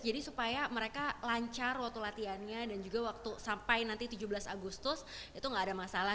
jadi supaya mereka lancar waktu latihannya dan juga waktu sampai nanti tujuh belas agustus itu gak ada masalah